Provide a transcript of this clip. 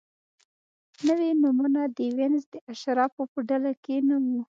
نوي نومونه د وینز د اشرافو په ډله کې نه وو.